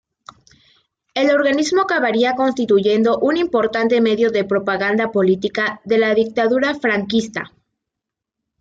El organismo acabaría constituyendo un importante medio de propaganda política de la dictadura franquista.